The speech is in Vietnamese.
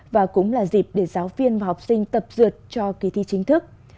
và cũng là dịp để giáo viên và học sinh tập dượt cho kỳ thi chính thức